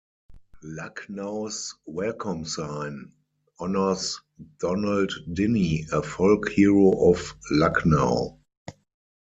Lucknow's welcome sign honours Donald Dinnie a folk hero of Lucknow.